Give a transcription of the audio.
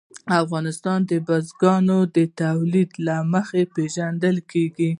افغانستان د بزګانو د تولید له مخې پېژندل کېږي.